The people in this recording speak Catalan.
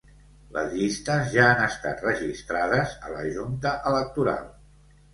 Les llistes ja han estat registrades a la junta electoral.